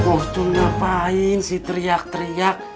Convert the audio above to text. oh itu ngapain sih teriak teriak